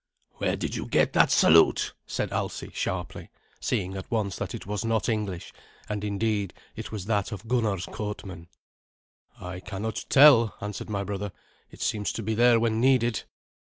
"Where did you get that salute?" said Alsi sharply, seeing at once that it was not English; and, indeed, it was that of Gunnar's courtmen. "I cannot tell," answered my brother. "It seems to be there when needed."